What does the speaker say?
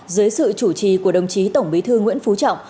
dưới sự chủ trì của đồng chí tổng bí thư nguyễn phú trọng